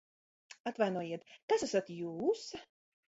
Atvainojiet, kas esat jūs?